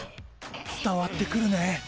伝わってくるね。